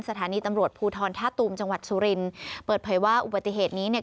สถานีตำรวจภูทรท่าตูมจังหวัดสุรินเปิดเผยว่าอุบัติเหตุนี้เนี่ย